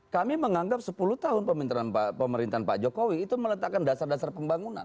kami menganggap sepuluh tahun pemerintahan pak jokowi itu meletakkan dasar dasar pembangunan